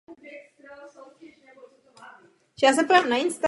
Sbíral lidové písně z oblasti východního a středního Slovenska.